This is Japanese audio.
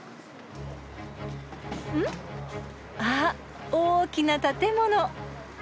うん？あっ大きな建物。